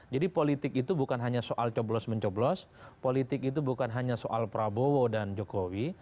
jadi politik itu bukan hanya soal coblos mencoblos politik itu bukan hanya soal prabowo dan jokowi